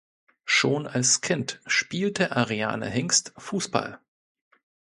Schon als Kind spielte Ariane Hingst Fußball.